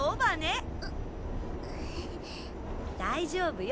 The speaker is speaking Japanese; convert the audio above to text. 大丈夫よ。